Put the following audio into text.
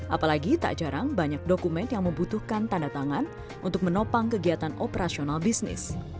apalagi tak jarang banyak dokumen yang membutuhkan tanda tangan untuk menopang kegiatan operasional bisnis